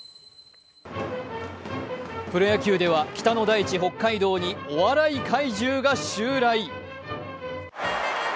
プロ野球では北の大地・北海道にお笑い怪獣が襲来。